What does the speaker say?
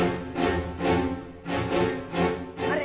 あれ？